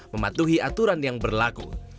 mematuhi aturan yang berlaku